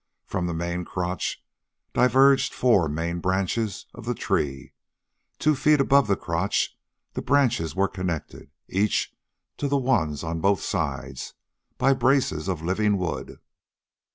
From the main crotch diverged the four main branches of the tree. Two feet above the crotch the branches were connected, each to the ones on both sides, by braces of living wood.